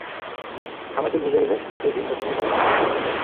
ঘামে চুল ভিজে গেলে মুছিয়ে দিন, গোসলের পরও ভালোভাবে চুল শুকাতে হবে।